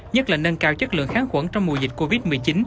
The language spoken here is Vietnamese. nhất là nâng cao chất lượng kháng khuẩn trong mùa dịch covid một mươi chín